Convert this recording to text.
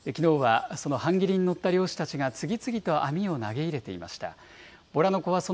きのうはそのハンギリに乗った漁師たちが次々と網を投げ入れていました。